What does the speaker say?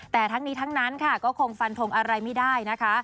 แต่ทั้งนี้ทั้งนั้นค่ะก็คงฟันทงอะไรไม่ได้นะคะ